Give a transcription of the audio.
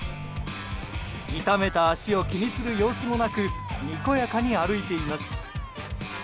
痛めた足を気にする様子もなくにこやかに歩いています。